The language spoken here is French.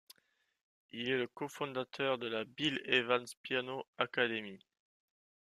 Il est le cofondateur de la Bill Evans Piano Academy.